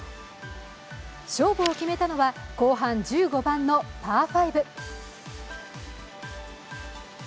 勝負を決めたのは後半１５番のパー５。